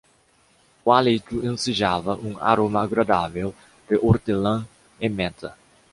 O hálito ensejava um aroma agradável de hortelã e menta